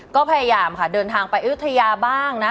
ก็พยายามค่ะเดินทางไปอยุธยาบ้างนะ